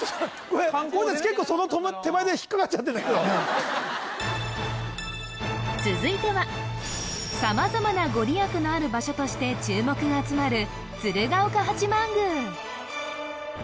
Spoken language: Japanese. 俺達結構続いては様々なご利益のある場所として注目が集まる鶴岡八幡宮